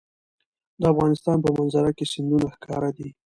د افغانستان په منظره کې سیندونه ښکاره ده.